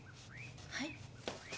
はい？